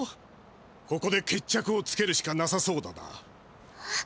ここで決着をつけるしかなさそうだな。